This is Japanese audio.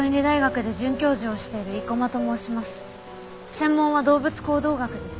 専門は動物行動学です。